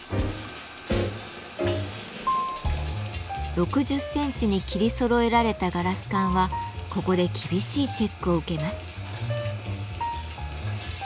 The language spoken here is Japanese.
６０センチに切りそろえられたガラス管はここで厳しいチェックを受けます。